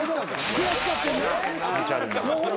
悔しかったんや。